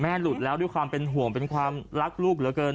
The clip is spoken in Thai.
หลุดแล้วด้วยความเป็นห่วงเป็นความรักลูกเหลือเกิน